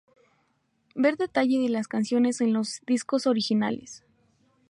Ver detalle de las canciones en los discos originales